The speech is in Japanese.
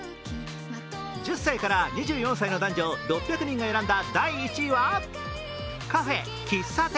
１０歳から２４歳の男女６００人が選んだ第１位は、カフェ・喫茶店。